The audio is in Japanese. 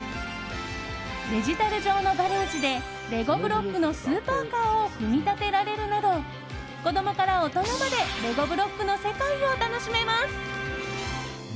自分だけのオリジナルミニフィギュアを作ることができたりデジタル上のガレージでレゴブロックのスーパーカーを組み立てられるなど子供から大人までレゴブロックの世界を楽しめます。